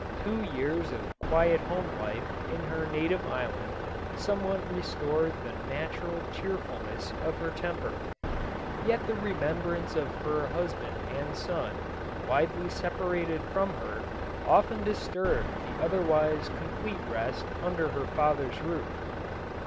Two years of quiet home life in her native island, somewhat re stored the natural cheerfulness of her temper, yet the remembrance of her husband and son, widely separated JOSEPHINE. 231 from her, often disturbed the otherwise complete rest under her father's roof.